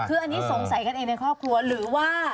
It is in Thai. คืออันนี้สงสัยกันเองในครอบครัวหรือว่า